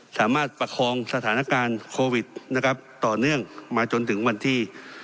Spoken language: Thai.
สามารถประคองสถานการณ์โควิดต่อเนื่องมาจนถึงวันที่